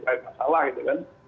baik masalah gitu kan